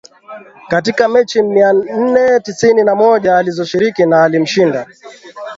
Katika mechi mia nne tisini na moja alizoshiriki na alimshinda